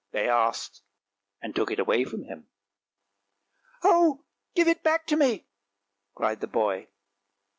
" they asked, and took it away from him. " Oh, give it back to me! " cried the boy.